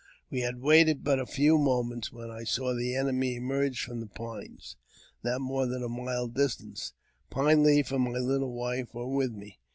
We had waited but a few moments, when I saw the enemy emerge from the pines, not more than a mile distant. Pine Leaf and my little wife were with me.